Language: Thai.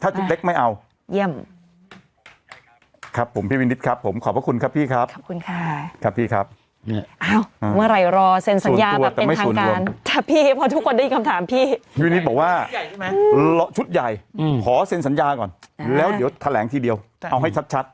อืมขอเซ็นสัญญาก่อนแล้วเดี๋ยวแถลงทีเดียวเอาให้ชัดชัด